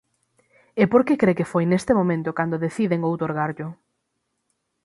E por que cre que foi neste momento cando deciden outorgarllo?